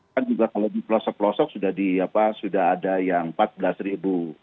kan juga kalau di pelosok pelosok sudah ada yang empat belas ribu